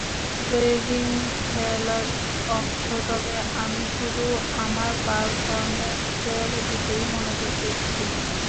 Sledging খেলারই অংশ, তবে আমি শুধু আমার পারফরম্যান্সের দিকেই মনোযোগ দিচ্ছি।